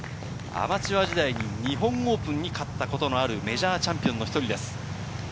アマチュア時代に日本オープンに勝ったことのあるメジャーチャンピオンの１人です。